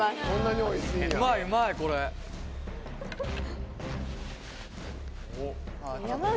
そんなにおいしいんや。